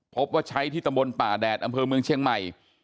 พบว่าใช้ที่ตำบลป่าแดดอำเภอเมืองเชียงใหม่